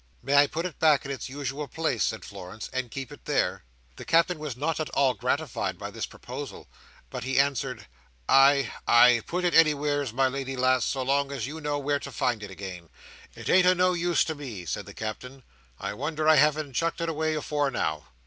"May I put it back in its usual place," said Florence, "and keep it there?" The Captain was not at all gratified by this proposal, but he answered, "Ay, ay, put it anywheres, my lady lass, so long as you know where to find it again. It ain't o' no use to me," said the Captain. "I wonder I haven't chucked it away afore now.